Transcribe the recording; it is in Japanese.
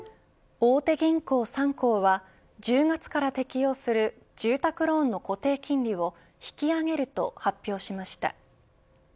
大手銀行３行は１０月から適用する住宅ローンの固定金利を引き上げると発表しました。